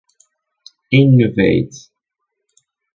Innovate’.